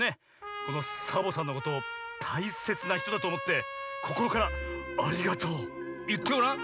このサボさんのことを大切なひとだとおもってこころから「ありがとう」いってごらん。